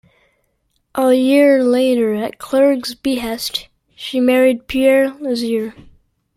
A year later, at Clergue's behest, she married Pierre Lizier.